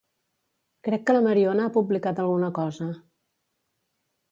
Crec que la Mariona ha publicat alguna cosa.